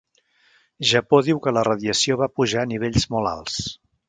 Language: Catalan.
Japó diu que la radiació va pujar a nivells molt alts